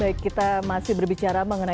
baik kita masih berbicara